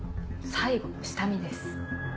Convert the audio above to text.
最後の下見です。